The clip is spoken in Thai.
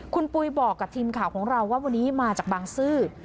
คุณปุ๋ยบอกกับทีมข่าวของเราว่าวันนี้มาจากบางซื่อ